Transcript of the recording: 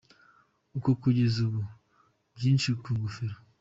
ko kugeza ubu. byinshi ku ngofero.